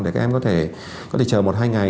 để các em có thể chờ một hai ngày